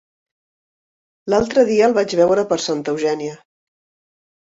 L'altre dia el vaig veure per Santa Eugènia.